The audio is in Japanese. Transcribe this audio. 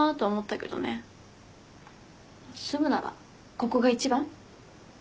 住むならここが一番。